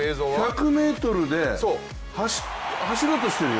１００ｍで走ろうとしてるよ